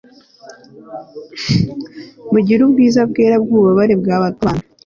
Mugire ubwiza bwera bwububabare bwabantu